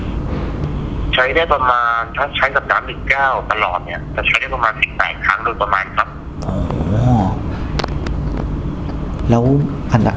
ถ้าใช้สัปดาห์๑๙ตลอดจะใช้ได้ประมาณ๑๘ครั้ง